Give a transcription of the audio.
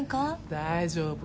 大丈夫。